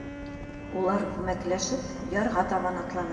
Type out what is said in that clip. Улар күмәкләшеп ярға табан атланы.